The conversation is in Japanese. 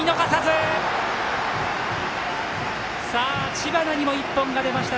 知花にも１本が出ました